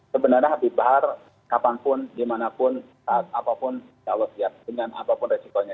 sebenarnya habib bahar kapanpun dimanapun saat apapun insya allah siap dengan apapun resikonya